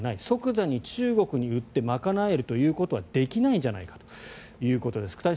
即座に中国に売って賄えるということはできないんじゃないかということです。